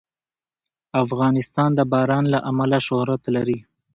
افغانستان د باران له امله شهرت لري.